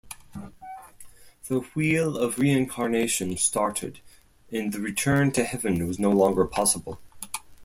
The wheel of reincarnation started and the return to Heaven was no longer possible.